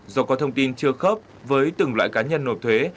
do có thông tin chưa khớp với từng loại cá nhân nộp thuế